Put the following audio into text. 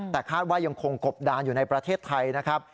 แต่คาดว่ายังคงกบดานอยู่ในประเทศไทยนะครับ